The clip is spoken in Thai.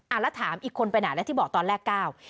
แล้วถามอีกคนไปไหนแล้วที่บอกตอนแรกเก้า